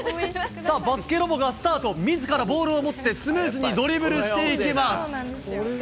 さあ、バスケロボがスタート、みずからボールを持ってスムーズにドリブルしていきます。